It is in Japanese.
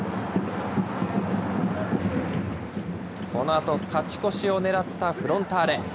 このあと勝ち越しを狙ったフロンターレ。